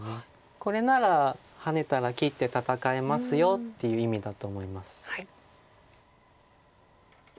これならハネたら切って戦えますよっていう意味だと思います。